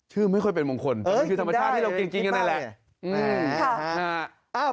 ชื่อไม่ค่อยเป็นมงคลแต่มันคือธรรมชาติที่เรากินกันเลย